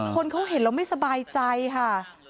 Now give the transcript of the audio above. คนเขาเห็นแล้วไม่สบายใจค่ะ